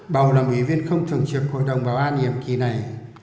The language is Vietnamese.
bầu làm ủy viên không thường trực hội đồng vào an hiệp kỳ này